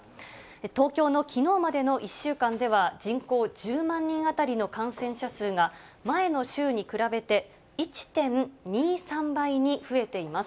東京のきのうまでの１週間では、人口１０万人当たりの感染者数が、前の週に比べて１．２３倍に増えています。